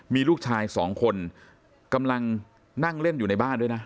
มีลูกชายสองคนกำลังนั่งเล่นอยู่ในบ้านด้วยนะ